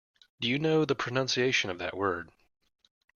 Do you know the pronunciation of that word?